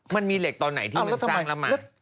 มันมีเหล็กตอนไหนที่มันสร้างแล้วมา